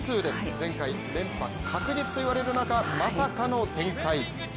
前回連覇確実と言われる中まさかの展開。